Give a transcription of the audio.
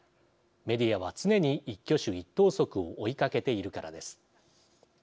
メディアは常に一挙手一投足を追いかけているからです。